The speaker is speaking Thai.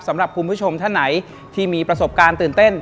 สำหรับคุณผู้ชมท่านไหนที่มีประสบการณ์ตื่นเต้น